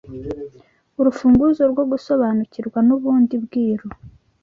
urufunguzo rwo gusobanukirwa n’ubundi bwiru